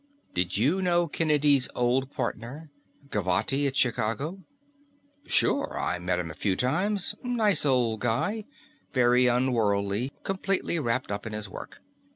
"Did you know Kennedy's old partner? Gavotti, at Chicago." "Sure, I met him a few times. Nice old guy, very unworldly, completely wrapped up in his work.